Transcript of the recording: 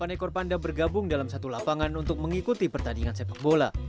delapan ekor panda bergabung dalam satu lapangan untuk mengikuti pertandingan sepak bola